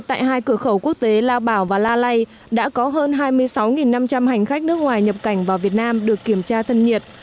tại hai cửa khẩu quốc tế lao bảo và la lai đã có hơn hai mươi sáu năm trăm linh hành khách nước ngoài nhập cảnh vào việt nam được kiểm tra thân nhiệt